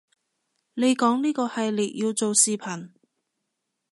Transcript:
你講呢個系列要做視頻